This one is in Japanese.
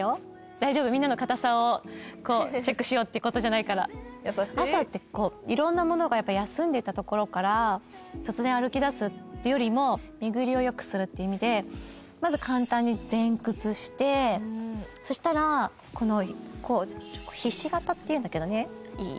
大丈夫みんなの硬さをこうチェックしようっていうことじゃないから朝ってこう色んなものがやっぱ休んでいたところから突然歩きだすっていうよりも巡りをよくするって意味でまず簡単に前屈してそしたらこのこうひし形っていうんだけどねいい？